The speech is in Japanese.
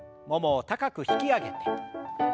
ももを高く引き上げて。